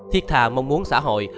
thiết thà mong muốn xã hội